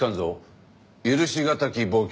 許し難き暴挙。